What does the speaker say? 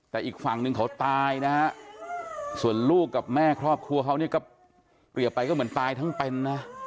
แต่อีกฝั่งหนึ่งเขาตายนะฮะส่วนลูกกับแม่ครอบครัวเขาเนี่ยก็เปรียบไปก็เหมือนตายทั้งเป็นนะ